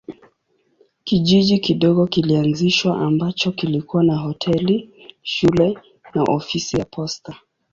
Kijiji kidogo kilianzishwa ambacho kilikuwa na hoteli, shule na ofisi ya posta.